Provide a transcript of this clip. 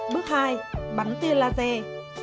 bước hai bắn tia laser